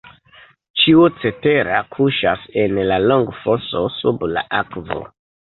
Ĉio cetera kuŝas en la longfoso sub la akvo.